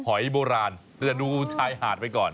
หอยโบราณแต่ดูชายหาดไปก่อน